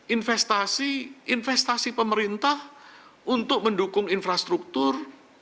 investasi investasi pemerintah untuk mendukung infrastruktur